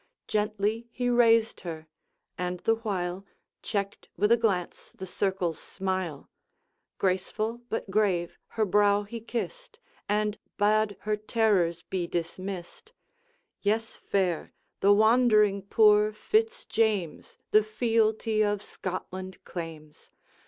Gently he raised her, and, the while, Checked with a glance the circle's smile; Graceful, but grave, her brow he kissed, And bade her terrors be dismissed: 'Yes, fair; the wandering poor Fitz James The fealty of Scotland claims.